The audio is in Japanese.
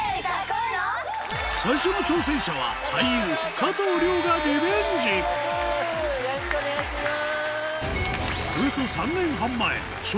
最初の挑戦者はよろしくお願いします。